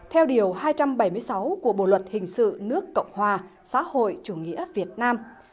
theo điều hai trăm bảy mươi sáu của bộ luật hình sự nước cộng hòa xã hội chủ nghĩa việt nam